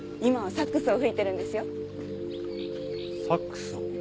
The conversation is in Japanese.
サックスを？